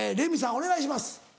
お願いします。